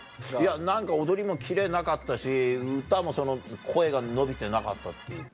「何か踊りもキレなかったし歌もその声が伸びてなかったっていうか」。